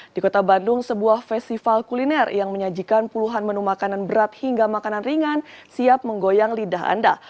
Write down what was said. di kota bandung sebuah festival kuliner yang menyajikan puluhan menu makanan berat hingga makanan ringan siap menggoyang lidah anda